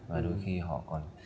và đôi khi họ còn